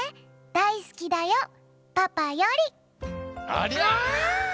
ありゃ！